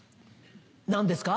何ですか？